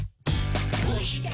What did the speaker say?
「どうして？